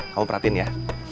kamu perhatiin ya